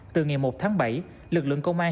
từ ngày một tháng bảy lực lượng công an